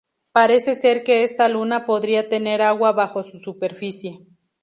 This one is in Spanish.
Parece ser que esta luna podría tener agua bajo su superficie.